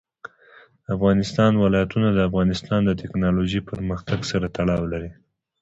د افغانستان ولايتونه د افغانستان د تکنالوژۍ پرمختګ سره تړاو لري.